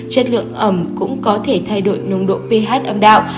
chất lượng ẩm cũng có thể thay đổi nồng độ p âm đạo